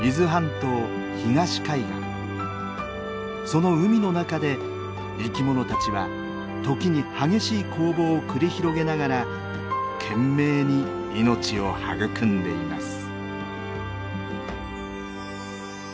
その海の中で生きものたちは時に激しい攻防を繰り広げながら懸命に命を育んでいます。